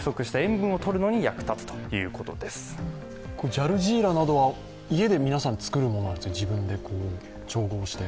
ジャルジーラなどは家で皆さん作るものなんですか、自分で調合して。